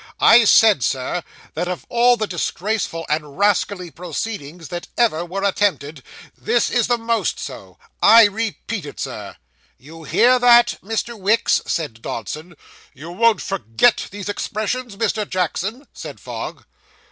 'I said, Sir, that of all the disgraceful and rascally proceedings that ever were attempted, this is the most so. I repeat it, sir.' 'You hear that, Mr. Wicks,' said Dodson. 'You won't forget these expressions, Mr. Jackson?' said Fogg.